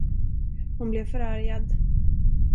Hon blev förargad.